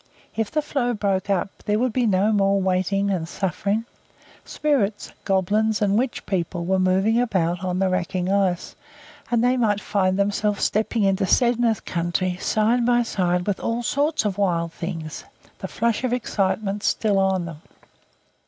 If the floe broke up there would be no more waiting and suffering. Spirits, goblins, and witch people were moving about on the racking ice, and they might find themselves stepping into Sedna's country side by side with all sorts of wild Things, the flush of excitement still on them.